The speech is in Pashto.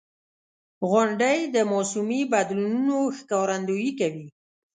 • غونډۍ د موسمي بدلونونو ښکارندویي کوي.